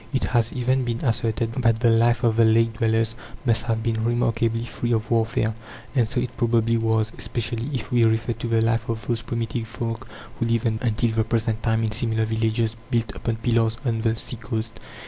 It has even been asserted that the life of the lake dwellers must have been remarkably free of warfare. And so it probably was, especially if we refer to the life of those primitive folk who live until the present time in similar villages built upon pillars on the sea coasts.